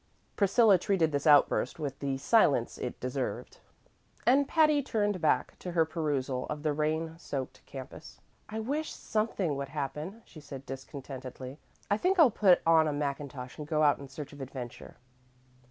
Priscilla treated this outburst with the silence it deserved, and Patty turned back to her perusal of the rain soaked campus. "I wish something would happen," she said discontentedly. "I think I'll put on a mackintosh and go out in search of adventure."